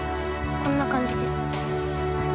こんな感じ？